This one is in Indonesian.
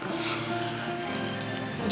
karena kamu suka sama aku lagi